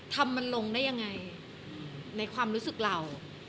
ทำมันลงได้ยังไงในความรู้สึกเรา